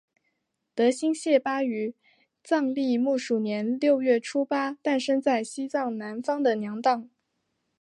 德新谢巴于藏历木鼠年六月初八诞生在西藏南方的娘当。